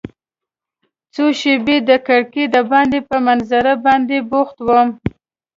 څو شیبې تر کړکۍ دباندې په منظره باندې بوخت وم.